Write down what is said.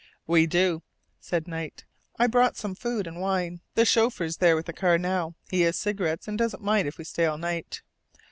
"We do," said Knight. "I brought some food and wine. The chauffeur's there with the car now. He has cigarettes, and doesn't mind if we stay all night."